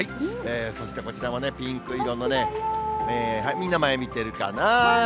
そしてこちらもピンク色のね、みんな前見てるかな？